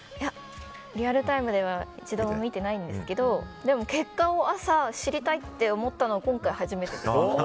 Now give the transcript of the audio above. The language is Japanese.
リアルタイムでは一度も見てないんですけどでも結果を朝、知りたいと思ったのは今回、初めてです。